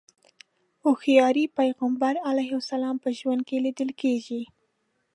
هوښياري پيغمبر علیه السلام په ژوند کې ليدل کېږي.